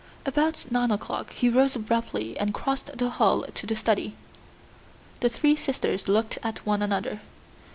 About nine o'clock he rose abruptly and crossed the hall to the study. The three sisters looked at one another.